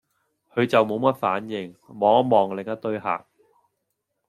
佢就無乜反應，望一望另一堆客